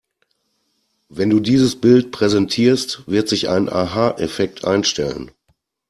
Wenn du dieses Bild präsentierst, wird sich ein Aha-Effekt einstellen.